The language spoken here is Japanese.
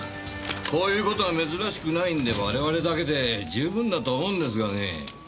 こういう事は珍しくないんで我々だけで十分だと思うんですがねぇ。